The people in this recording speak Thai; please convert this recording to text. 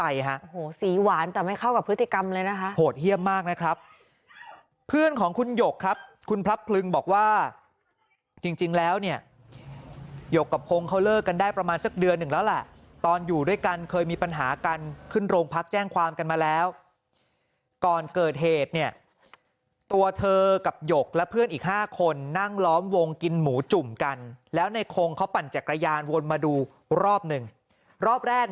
เยี่ยมมากนะครับเพื่อนของคุณหยกครับคุณพรับคลึงบอกว่าจริงจริงแล้วเนี่ยหยกกับคงเขาเลิกกันได้ประมาณสักเดือนหนึ่งแล้วล่ะตอนอยู่ด้วยกันเคยมีปัญหากันขึ้นโรงพักแจ้งความกันมาแล้วก่อนเกิดเหตุเนี่ยตัวเธอกับหยกและเพื่อนอีกห้าคนนั่งล้อมวงกินหมูจุ่มกันแล้วในคงเขาปั่นจักรยานวนมาดูร